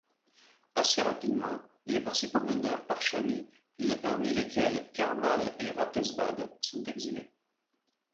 Assez rapidement, les principaux meneurs parchamis, parmi lesquels Karmal et Ratezbad, sont exilés.